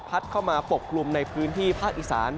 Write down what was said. เข้ามาปกกลุ่มในพื้นที่ภาคอีสาน